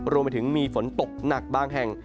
รวมไปถึงมีฝนตกหนักบางแห่ง